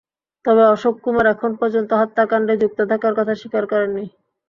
তবে অশোক কুমার এখন পর্যন্ত হত্যাকাণ্ডে যুক্ত থাকার কথা স্বীকার করেননি।